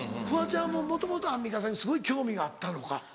フワちゃんももともとアンミカさんにすごい興味があったのか。